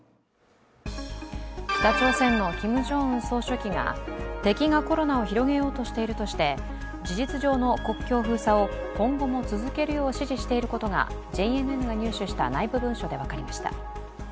北朝鮮のキム・ジョンウン総書記が敵がコロナを広げようとしているとして、事実上の国境封鎖を今後も続けるよう指示していることがＪＮＮが入手した内部文書で分かりました。